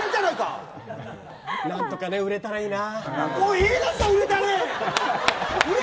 何とか売れたらいいな。